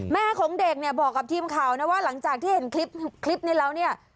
แม่ของเด็กเนี่ยบอกกับทีมข่าวนะว่าหลังจากที่เห็นคลิปนี้แล้วเนี่ย